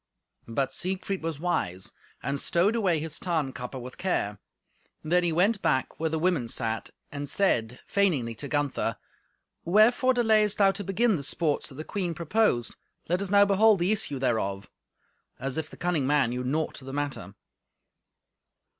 But Siegfried was wise, and stowed away his Tarnkappe with care; then he went back where the women sat, and said feigningly to Gunther, "Wherefore delayest thou to begin the sports that the queen proposed, let us now behold the issue thereof"—as if the cunning man knew naught of the matter.